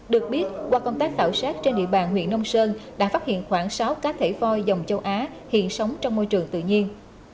được biết qua công tác khảo sát trên địa bàn huyện nông sơn đã phát hiện khoảng sáu cá thể voi dòng châu á hiện sống trong môi trường tự nhiên